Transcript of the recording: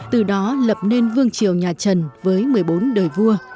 từ đó lập nên vương triều nhà trần với một mươi bốn đời vua